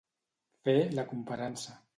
Fer la comparança.